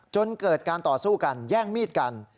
จนเกิดการต่อสู้กันแย่งมีดกัน